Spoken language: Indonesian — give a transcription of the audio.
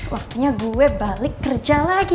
waktunya gue balik kerja lagi